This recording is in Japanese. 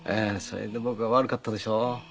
それで僕は悪かったでしょう。